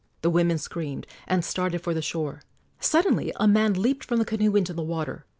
The women screamed and started for the shore. Suddenly a man leaped from the canoe into the water.